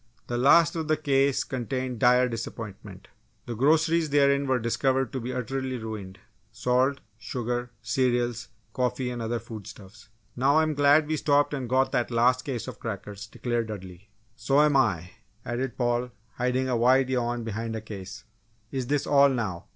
The last of the cases contained dire disappointment. The groceries therein were discovered to be utterly ruined salt, sugar, cereals, coffee and other foodstuffs. "Now I'm glad we stopped and got that last case of crackers," declared Dudley. "So'm I!" added Paul, hiding a wide yawn behind a case. "Is this all now!"